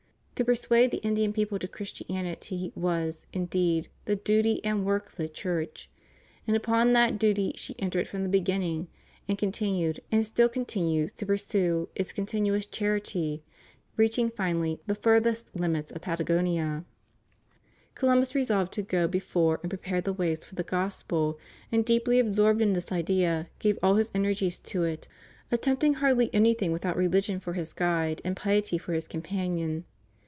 To persuade the Indian people to Christianity was, indeed, the duty and work of the Church, and upon that duty she entered from the beginning, and continued, and still continues, to pursue in continuous charity, reaching finally the furthest limits of Patagonia, Columbus resolved to go before and prepare the ways for the Gospel, and, deeply absorbed in this idea, gave all his energies to it, attempt ing hardly anything without religion for his guide and piety for his companion.